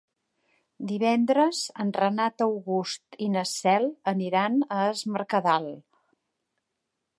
Divendres en Renat August i na Cel aniran a Es Mercadal.